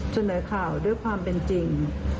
เสนอข่าวด้วยความเป็นจริง